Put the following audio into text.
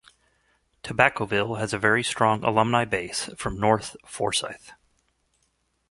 Tobaccoville has a very strong alumni base from North Forsyth.